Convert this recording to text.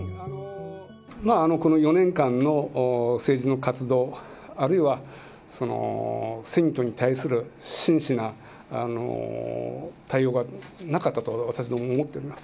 この４年間の政治の活動、あるいは選挙に対する真摯な対応がなかったと、私どもは思っております。